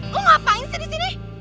gue ngapain sih di sini